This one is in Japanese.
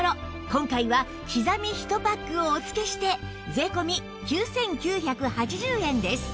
今回はきざみ１パックをお付けして税込９９８０円です